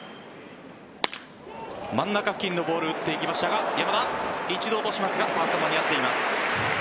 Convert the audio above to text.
真ん中付近のボールを打っていきましたが一度落としますがファースト、間に合っています。